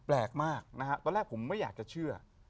แปลกมากนะฮะตอนแรกผมไม่อยากจะเชื่อ